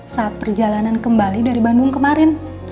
saat perjalanan kembali dari bandung kemarin